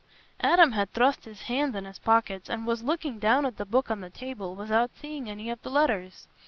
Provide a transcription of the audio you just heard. Adam had thrust his hands in his pockets, and was looking down at the book on the table, without seeing any of the letters.